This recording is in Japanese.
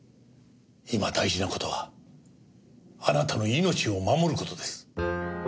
今大事な事はあなたの命を守る事です。